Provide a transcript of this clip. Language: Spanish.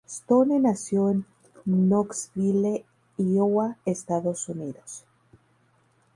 Stone nació en Knoxville, Iowa, Estados Unidos.